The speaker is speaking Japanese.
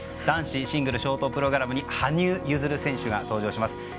男子シングルショートプログラムに羽生結弦選手が登場します。